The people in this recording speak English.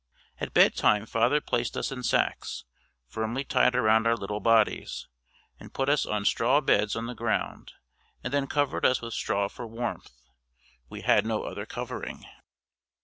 At bed time father placed us in sacks, firmly tied around our little bodies, and put us on straw beds on the ground and then covered us with straw for warmth. We had no other covering.